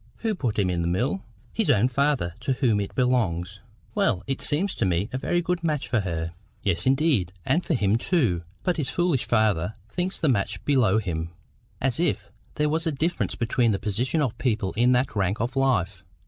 "Who put him in the mill?" "His own father, to whom it belongs." "Well, it seems to me a very good match for her." "Yes, indeed, and for him too. But his foolish father thinks the match below him, as if there was any difference between the positions of people in that rank of life!